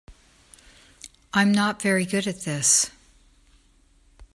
I'm not very good at this.